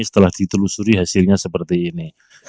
setelah ditelusuri hasilnya seperti ini